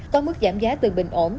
có mức giảm giá từ bình ổn